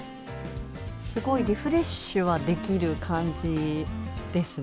すごいリフレッシュはできる感じですね。